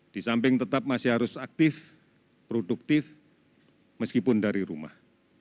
di samping tetap masih harus aktif produktif meskipun dari rumah